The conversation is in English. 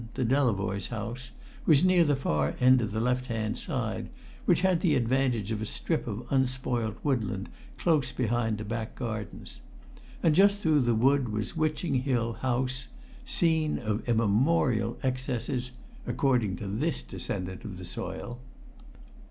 7, the Delavoyes' house, was near the far end on the left hand side, which had the advantage of a strip of unspoilt woodland close behind the back gardens; and just through the wood was Witching Hill House, scene of immemorial excesses, according to this descendant of the soil.